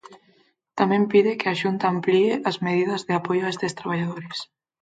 Tamén pide que a Xunta amplíe as medidas de apoio a estes traballadores.